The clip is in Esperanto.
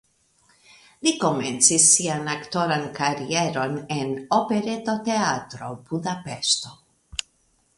Li komencis sian aktoran karieron en Operetoteatro (Budapeŝto).